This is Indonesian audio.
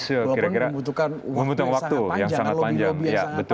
walaupun membutuhkan waktu yang sangat panjang